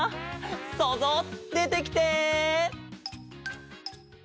そうぞうでてきて！